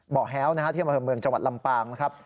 แฮ้วนะฮะที่อำเภอเมืองจังหวัดลำปางนะครับ